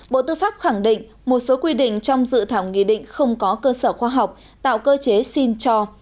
bộ tư pháp khẳng định một số quy định trong dự thảo nghị định không có cơ sở khoa học tạo cơ chế xin cho